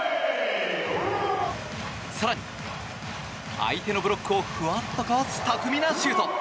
更に、相手のブロックをふわっとかわす巧みなシュート。